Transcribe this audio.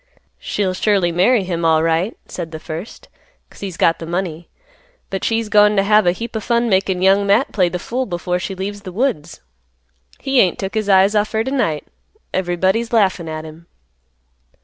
"She'll surely marry him, alright," said the first, "'cause he's got th' money, but she's goin' t' have a heap o' fun makin' Young Matt play th' fool before she leaves th' woods. He ain't took his eyes off her t'night. Everybody's laughin' at him."